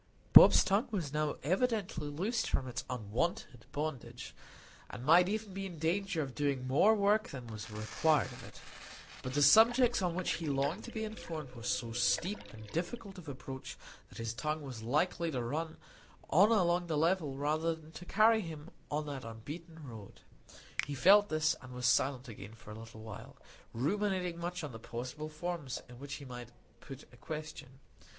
Bob's tongue was now evidently loosed from its unwonted bondage, and might even be in danger of doing more work than was required of it. But the subjects on which he longed to be informed were so steep and difficult of approach, that his tongue was likely to run on along the level rather than to carry him on that unbeaten road. He felt this, and was silent again for a little while, ruminating much on the possible forms in which he might put a question.